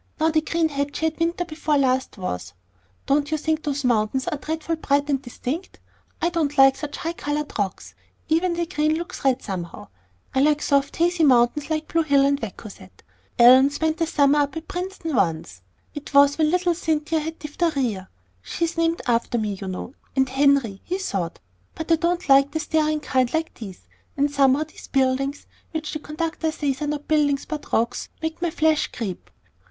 Now the green hat she had winter before last was Don't you think those mountains are dreadfully bright and distinct? I don't like such high colored rocks. Even the green looks red, somehow. I like soft, hazy mountains like Blue Hill and Wachusett. Ellen spent a summer up at Princeton once. It was when little Cynthia had diphtheria she's named after me, you know, and Henry he thought But I don't like the staring kind like these; and somehow those buildings, which the conductor says are not buildings but rocks, make my flesh creep."